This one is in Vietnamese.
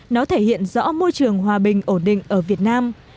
nó thể hiện rõ môi trường hòa bình ổn định ở việt nam